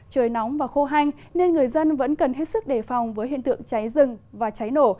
trời nóng và khô hanh nên người dân vẫn cần hết sức đề phòng với hiện tượng cháy rừng và cháy nổ